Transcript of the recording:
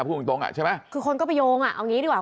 พูดตรงตรงอ่ะใช่ไหมคือคนก็ไปโยงอ่ะเอางี้ดีกว่า